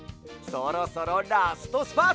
そろそろラストスパート！